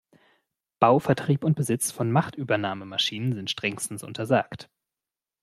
Bau, Vertrieb und Besitz von Machtübernahmemaschinen sind strengstens untersagt.